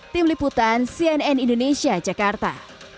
tim liputan cnn indonesia jakarta